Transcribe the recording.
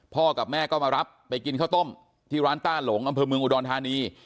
กับแม่ก็มารับไปกินข้าวต้มที่ร้านต้าหลงอำเภอเมืองอุดรธานี